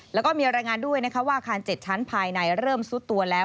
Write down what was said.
แล้วก็มีรายงานด้วยนะคะว่าอาคาร๗ชั้นภายในเริ่มซุดตัวแล้ว